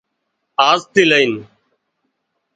آزٿِي لئين